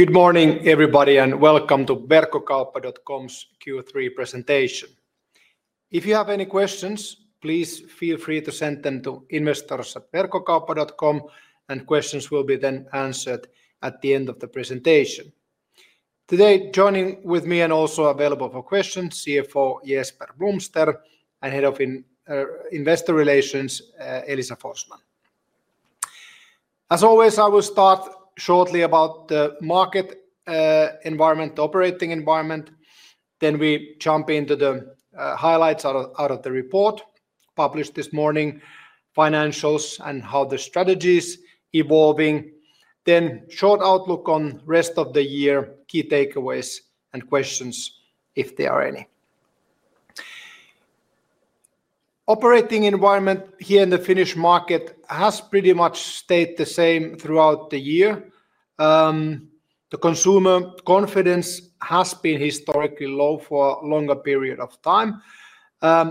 Good morning, everybody, and welcome to Verkkokauppa.com's Q3 presentation. If you have any questions, please feel free to send them to investors@verkkokauppa.com, and questions will be then answered at the end of the presentation. Today, joining me and also available for questions, CFO Jesper Blomster and Head of Investor Relations Elisa Forsman. As always, I will start shortly about the market operating environment. Then we jump into the highlights out of the report published this morning, financials and how the strategy is evolving. Then a short outlook on the rest of the year, key takeaways, and questions if there are any. The operating environment here in the Finnish market has pretty much stayed the same throughout the year. The consumer confidence has been historically low for a longer period of time.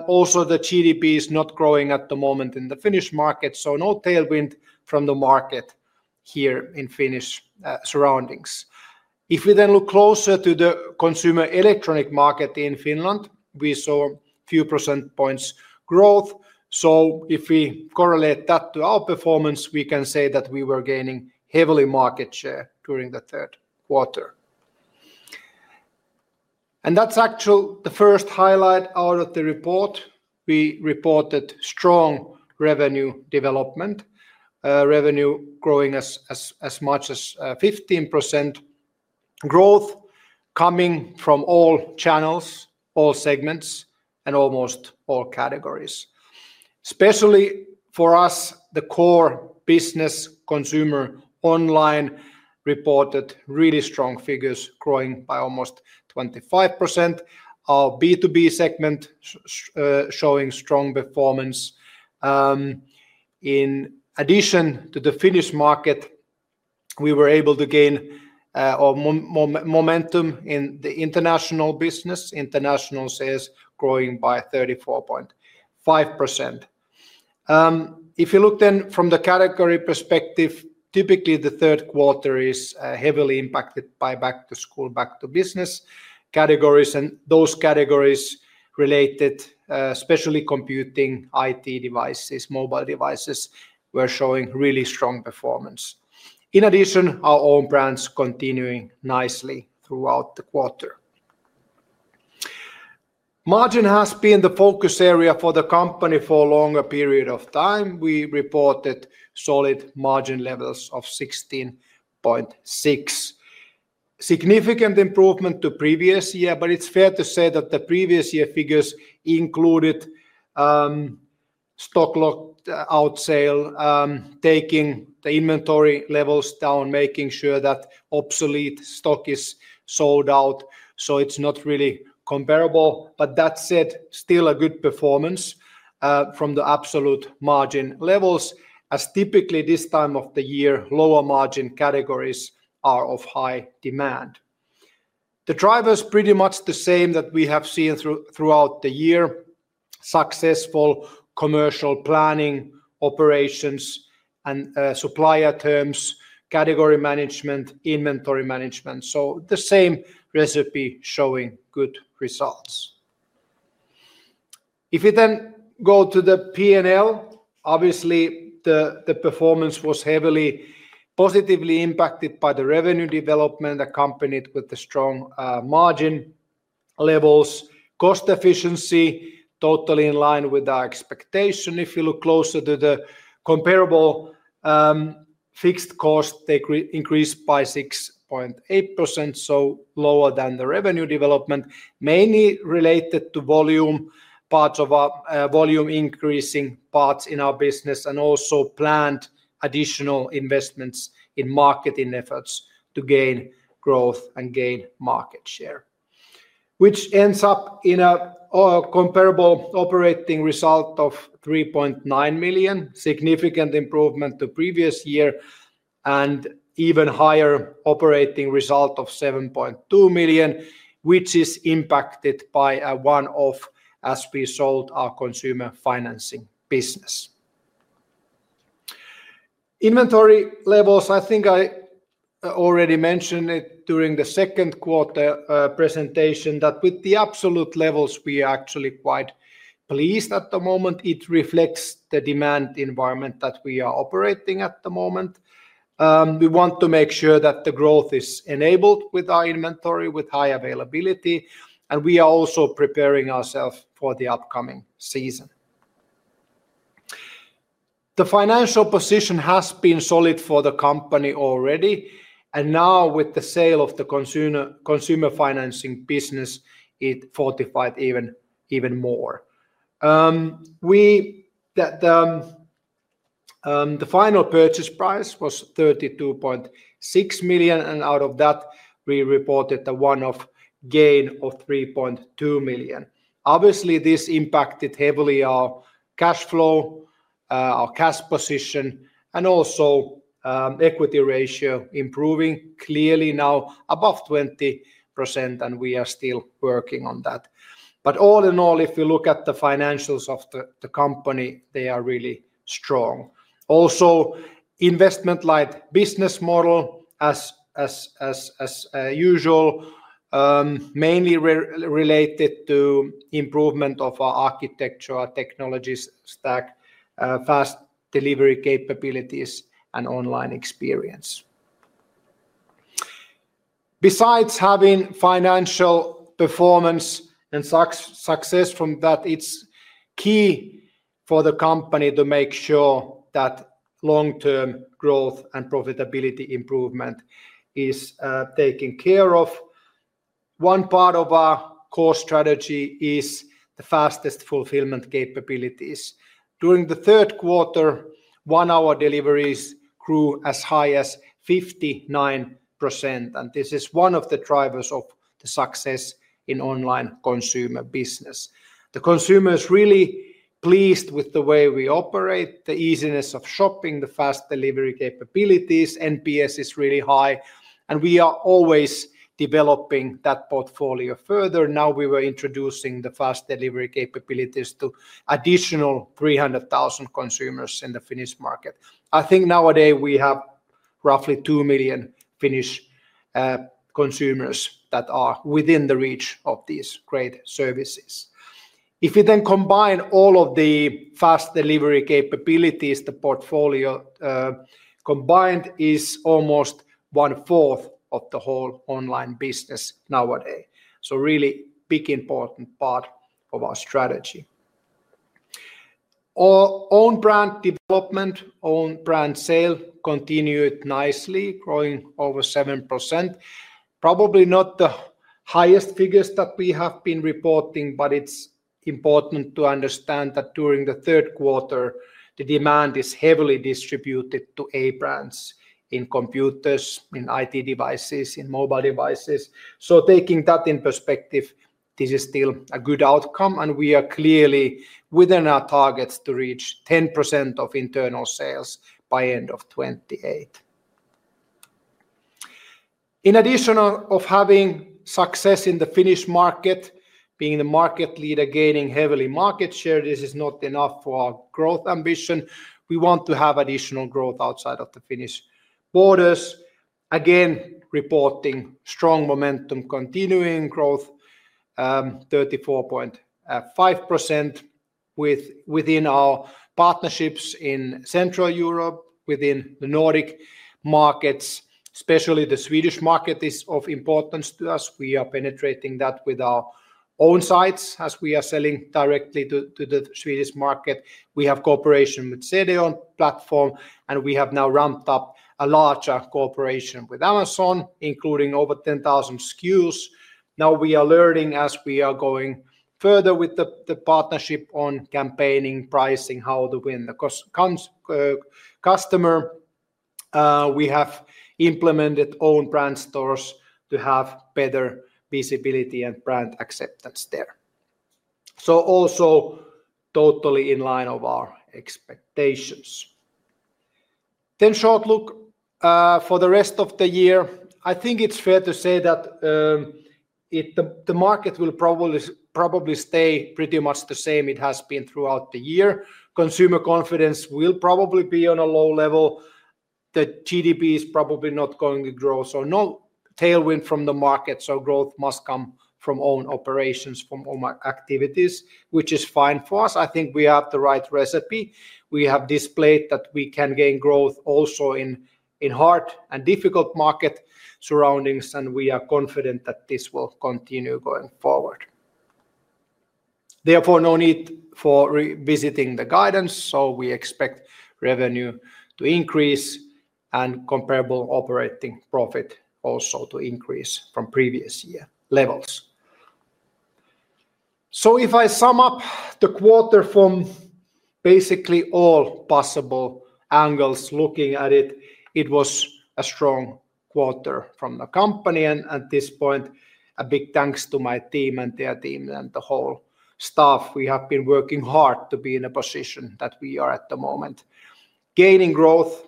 Also, the GDP is not growing at the moment in the Finnish market, so no tailwind from the market here in Finnish surroundings. If we then look closer to the consumer electronic market in Finland, we saw a few % points growth. If we correlate that to our performance, we can say that we were gaining heavily market share during the third quarter. That's actually the first highlight out of the report. We reported strong revenue development, revenue growing as much as 15% growth coming from all channels, all segments, and almost all categories. Especially for us, the core consumer online reported really strong figures, growing by almost 25%. Our B2B segment showing strong performance. In addition to the Finnish market, we were able to gain momentum in the international business, international sales growing by 34.5%. If you look then from the category perspective, typically the third quarter is heavily impacted by back-to-school, back-to-business categories, and those categories related, especially computing, IT devices, mobile devices, were showing really strong performance. In addition, our own brands continuing nicely throughout the quarter. Margin has been the focus area for the company for a longer period of time. We reported solid margin levels of 16.6%. Significant improvement to the previous year, but it's fair to say that the previous year figures included stock locked out sale, taking the inventory levels down, making sure that obsolete stock is sold out, so it's not really comparable. That said, still a good performance from the absolute margin levels, as typically this time of the year, lower margin categories are of high demand. The drivers are pretty much the same that we have seen throughout the year: successful commercial planning, operations, and supplier terms, category management, inventory management. The same recipe is showing good results. If you then go to the P&L, obviously the performance was heavily positively impacted by the revenue development accompanied with the strong margin levels. Cost efficiency totally in line with our expectation. If you look closer to the comparable fixed cost, they increased by 6.8%, so lower than the revenue development, mainly related to volume, parts of our volume increasing, parts in our business, and also planned additional investments in marketing efforts to gain growth and gain market share, which ends up in a comparable operating result of $3.9 million, significant improvement to the previous year, and even higher operating result of $7.2 million, which is impacted by a one-off as we sold our consumer financing business. Inventory levels, I think I already mentioned it during the second quarter presentation that with the absolute levels, we are actually quite pleased at the moment. It reflects the demand environment that we are operating in at the moment. We want to make sure that the growth is enabled with our inventory, with high availability, and we are also preparing ourselves for the upcoming season. The financial position has been solid for the company already, and now with the sale of the consumer financing business, it fortified even more. The final purchase price was $32.6 million, and out of that, we reported a one-off gain of $3.2 million. Obviously, this impacted heavily our cash flow, our cash position, and also equity ratio improving clearly now above 20%, and we are still working on that. All in all, if we look at the financials of the company, they are really strong. Also, investment-led business model, as usual, mainly related to improvement of our architecture, our technology stack, fast delivery capabilities, and online experience. Besides having financial performance and success from that, it's key for the company to make sure that long-term growth and profitability improvement is taken care of. One part of our core strategy is the fastest fulfillment capabilities. During the third quarter, one-hour deliveries grew as high as 59%, and this is one of the drivers of the success in online consumer business. The consumer is really pleased with the way we operate, the easiness of shopping, the fast delivery capabilities, NPS is really high, and we are always developing that portfolio further. Now we were introducing the fast delivery capabilities to additional 300,000 consumers in the Finnish market. I think nowadays we have roughly 2 million Finnish consumers that are within the reach of these great services. If you then combine all of the fast delivery capabilities, the portfolio combined is almost one-fourth of the whole online business nowadays. It is really a big important part of our strategy. Our own brand development, own brand sale continued nicely, growing over 7%. Probably not the highest figures that we have been reporting, but it's important to understand that during the third quarter, the demand is heavily distributed to A-brands in computers, in IT devices, in mobile devices. Taking that in perspective, this is still a good outcome, and we are clearly within our targets to reach 10% of internal sales by the end of 2028. In addition to having success in the Finnish market, being the market leader, gaining heavily market share, this is not enough for our growth ambition. We want to have additional growth outside of the Finnish borders. Again, reporting strong momentum, continuing growth, 34.5% within our partnerships in Central Europe, within the Nordic markets. Especially the Swedish market is of importance to us. We are penetrating that with our own sites, as we are selling directly to the Swedish market. We have cooperation with the Cedeo platform, and we have now ramped up a larger cooperation with Amazon, including over 10,000 SKUs. Now we are learning as we are going further with the partnership on campaigning, pricing, how to win the customer. We have implemented own brand stores to have better visibility and brand acceptance there. It is also totally in line of our expectations. A short look for the rest of the year, I think it's fair to say that the market will probably stay pretty much the same it has been throughout the year. Consumer confidence will probably be on a low level. The GDP is probably not going to grow, so no tailwind from the market. Growth must come from own operations, from all my activities, which is fine for us. I think we have the right recipe. We have displayed that we can gain growth also in hard and difficult market surroundings, and we are confident that this will continue going forward. Therefore, no need for revisiting the guidance. We expect revenue to increase and comparable operating profit also to increase from previous year levels. If I sum up the quarter from basically all possible angles looking at it, it was a strong quarter from the company, and at this point, a big thanks to my team and their team and the whole staff. We have been working hard to be in a position that we are at the moment, gaining growth,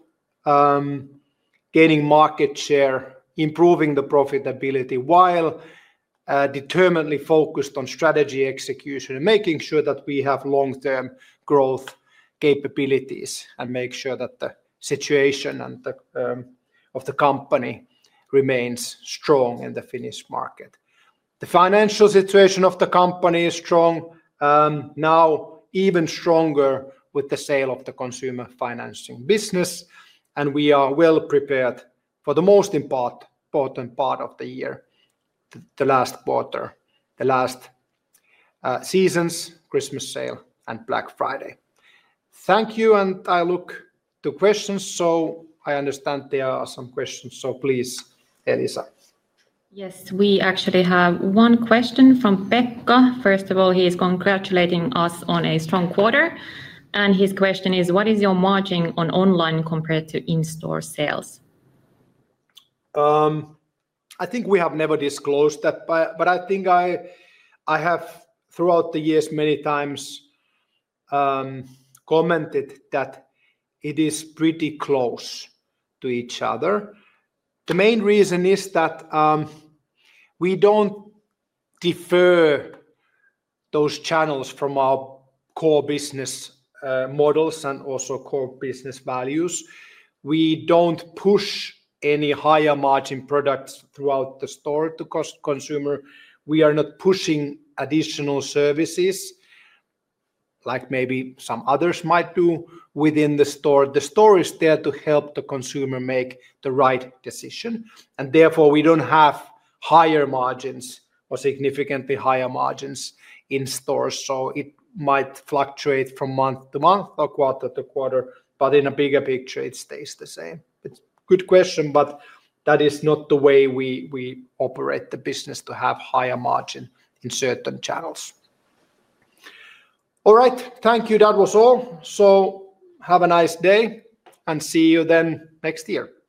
gaining market share, improving the profitability while determinedly focused on strategy execution and making sure that we have long-term growth capabilities and make sure that the situation of the company remains strong in the Finnish market. The financial situation of the company is strong, now even stronger with the sale of the consumer financing business, and we are well prepared for the most important part of the year, the last quarter, the last seasons, Christmas sale and Black Friday. Thank you, and I look to questions. I understand there are some questions, so please, Elisa. Yes, we actually have one question from Pekka. First of all, he is congratulating us on a strong quarter, and his question is, what is your margin on online compared to in-store sales? I think we have never disclosed that, but I think I have throughout the years many times commented that it is pretty close to each other. The main reason is that we don't differ those channels from our core business models and also core business values. We don't push any higher margin products throughout the store to cost consumer. We are not pushing additional services like maybe some others might do within the store. The store is there to help the consumer make the right decision, and therefore we don't have higher margins or significantly higher margins in stores. It might fluctuate from month to month or quarter to quarter, but in a bigger picture, it stays the same. It's a good question, but that is not the way we operate the business to have higher margin in certain channels. All right, thank you. That was all. Have a nice day and see you then next year. Thank you.